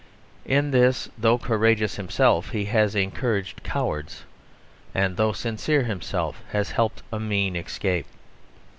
In this, though courageous himself, he has encouraged cowards, and though sincere himself, has helped a mean escape.